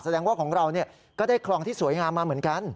แสดงว่าของเราก็ได้คลองที่สวยงามมาเหมือนกัน